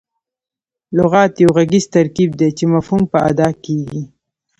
لغت یو ږغیز ترکیب دئ، چي مفهوم په اداء کیږي.